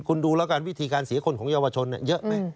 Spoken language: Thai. คุณดูแล้วกันวิธีการเสียคนของเยาวชนเยอะไหม